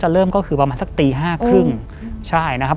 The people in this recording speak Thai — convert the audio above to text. เริ่มก็คือประมาณสักตี๕๓๐ใช่นะครับ